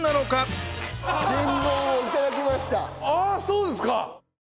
そうですか。